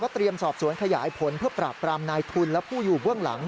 เตรียมสอบสวนขยายผลเพื่อปราบปรามนายทุนและผู้อยู่เบื้องหลัง